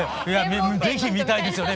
是非見たいですよね